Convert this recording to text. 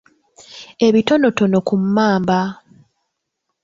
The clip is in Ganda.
Ebitonotono ku mmamba.